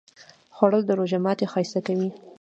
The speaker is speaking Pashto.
خوړل د روژه ماتی ښایسته کوي